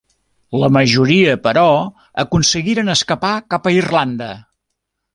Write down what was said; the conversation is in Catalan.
La majoria, però, aconseguiren escapar cap a Irlanda.